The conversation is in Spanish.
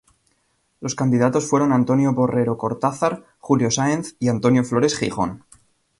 Los candidatos fueron Antonio Borrero Cortázar, Julio Sáenz y Antonio Flores Jijón.